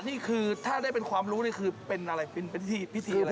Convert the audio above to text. นี่คือถ้าได้เป็นความรู้นี่คือเป็นอะไรเป็นพิธีอะไร